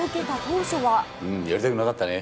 やりたくなかったね。